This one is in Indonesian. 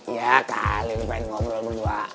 ya kali lupain ngobrol berdua